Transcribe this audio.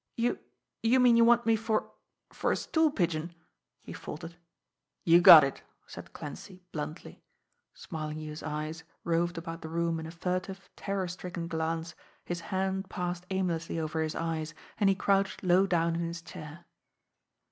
"You you mean you want me for for a stool pigeon?" he faltered. "You got it!" said Clancy bluntly. Smarlinghue's eyes roved about the room in a furtive, terror stricken glance, his hand passed aimlessly over his eyes, and he crouched low down in his chair.